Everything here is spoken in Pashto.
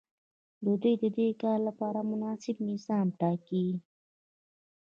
دوی ددې کار لپاره مناسب نصاب ټاکي.